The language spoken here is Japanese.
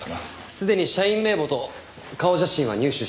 すでに社員名簿と顔写真は入手してあります。